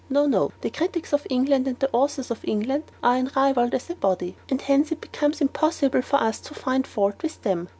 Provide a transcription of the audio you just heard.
No, no; the critics of England and the authors of England are unrivalled as a body; and hence it becomes impossible for us to find fault with them.